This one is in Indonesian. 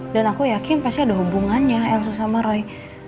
dan aku yakin pasti ada hubungannya elsa sama roy